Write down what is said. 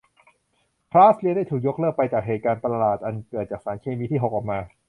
คลาสเรียนได้ถูกยกเลิกไป จากเหตุการณ์ประหลาดอันเกิดจากสารเคมีที่หกออกมา